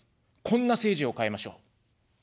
こんな政治を変えましょう。